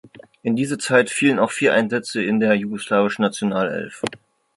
In diese Zeit fielen auch vier Einsätze in der jugoslawischen Nationalelf.